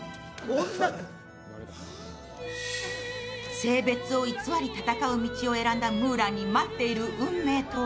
性別を偽り戦う道を選んだムーランに待っている運命とは。